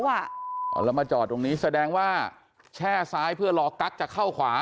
แล้วมาจอดตรงนี้แสดงว่าแช่ซ้ายเพื่อรอกั๊กจะเข้าขวา